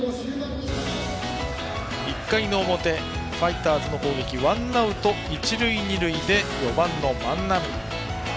１回の表、ファイターズの攻撃ワンアウト、一塁二塁で４番の万波。